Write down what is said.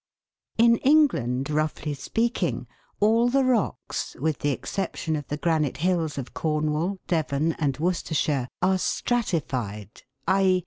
In England, roughly speaking, all the rocks, with the exception of the granite hills of Cornwall, Devon, and Worcestershire, are stratified, i.